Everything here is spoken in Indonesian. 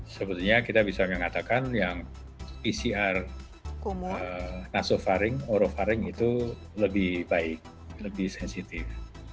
sebetulnya kita bisa mengatakan yang pcr nasofaring atau orofaring itu lebih baik lebih sensitif